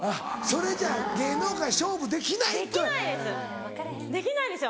それじゃあ芸能界勝負できない！と。できないです！